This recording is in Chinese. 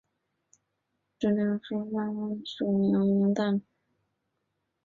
肘髎穴是属于手阳明大肠经的腧穴。